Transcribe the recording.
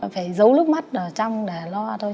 phải giấu nước mắt ở trong để lo thôi